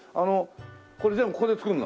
これ全部ここで作るの？